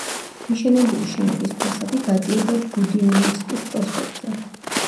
მიშენებული შენობის ფასადი გადიოდა ბუდიონოვსკის პროსპექტზე.